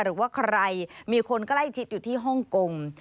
หรือว่าใครมีคนใกล้ชิดอยู่ที่ฮ่องกง